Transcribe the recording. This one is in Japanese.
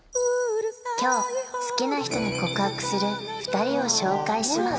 今日好きな人に告白する２人を紹介します